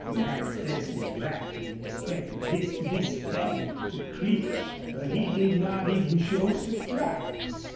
Manifestly Brackton expected this to be staggering to Creech. But he did not even show surprise.